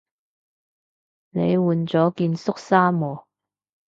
你換咗件恤衫喎